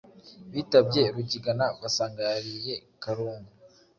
bitabye Rugigana, basanga yariye karungu,